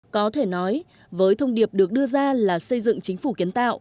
có thể nói với thông điệp được đưa ra là xây dựng chính phủ kiến tạo